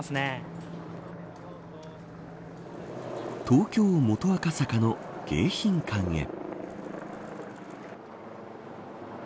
東京、元赤坂の迎賓館へ。